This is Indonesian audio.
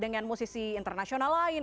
dengan musisi internasional lain